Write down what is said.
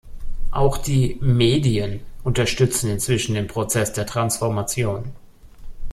Auch die "Medien" unterstützen inzwischen den Prozess der Transformation.